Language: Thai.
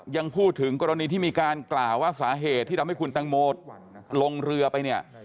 ยังพูดถึงกรณีที่มีการกล่าวว่าสาเหตุที่ทำให้คุณตังโมลงเรือไปเนี่ย